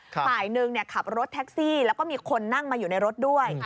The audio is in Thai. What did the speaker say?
ฝ่ายหนึ่งขับรถแท็กซี่แล้วก็มีคนนั่งมาอยู่ในรถด้วย